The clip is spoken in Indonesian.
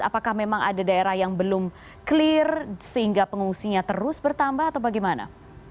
apakah memang ada daerah yang belum clear sehingga pengungsinya terus bertambah atau bagaimana